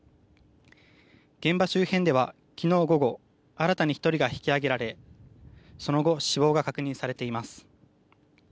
現場周辺では昨日午後新たに１人が引き揚げられその後死亡が確認されています。